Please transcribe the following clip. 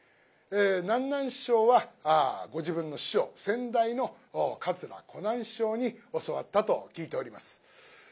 南なん師匠はご自分の師匠先代の桂小南師匠に教わったと聞いております。